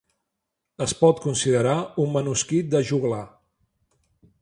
Es pot considerar un manuscrit de joglar.